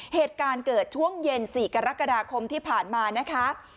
เหตุการณ์เกิดช่วงเย็น๔กรกฎาคมที่ผ่านมานะคะ